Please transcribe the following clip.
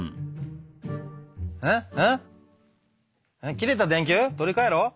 消えた電球取り替えろ？